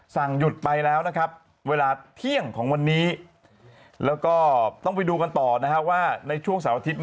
สั่งหยุดไปแล้วเวลาเที่ยงวันนี้แล้วต้องไปดูกันต่อในช่วงสายอาทิตย์